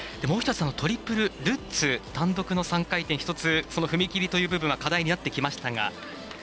もう１つ、トリプルルッツ単独の３回転１つ、踏み切りという部分課題になってきましたが。